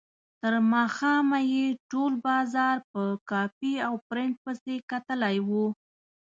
تر ماښامه یې ټول بازار په کاپي او پرنټ پسې کتلی و.